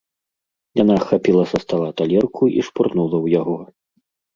Яна хапіла са стала талерку і шпурнула ў яго.